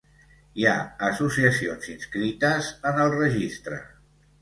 Hi ha associacions inscrites en el Registre.